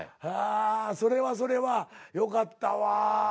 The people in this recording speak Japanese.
ああそれはそれはよかったわ。